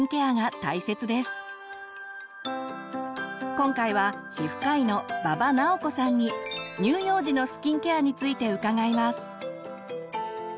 今回は皮膚科医の馬場直子さんに乳幼児のスキンケアについて伺います。